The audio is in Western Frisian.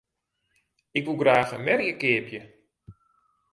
Ik woe graach in merje keapje.